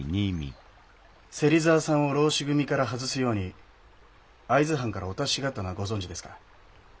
芹沢さんを浪士組から外すように会津藩からお達しがあったのはご存じですか？